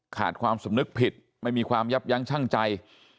ขาดความสำนึกผิดไม่มีความยับยั้งชั่งใจ